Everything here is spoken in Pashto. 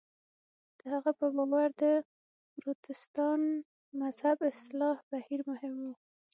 د هغه په باور د پروتستان مذهب اصلاح بهیر مهم و.